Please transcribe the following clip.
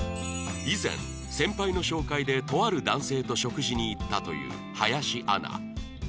以前先輩の紹介でとある男性と食事に行ったという林アナ